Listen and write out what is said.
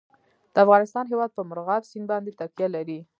د افغانستان هیواد په مورغاب سیند باندې تکیه لري.